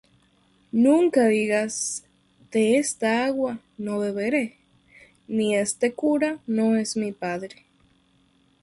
Nunca digas 'De esta agua no beberé' ni este cura no es mi padre